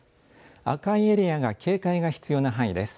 赤いエリアが警戒が必要な範囲です。